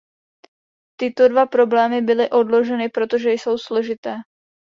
Tyto dva problémy byly odloženy, protože jsou složité.